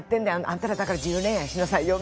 あんたらだから自由恋愛しなさいよ！」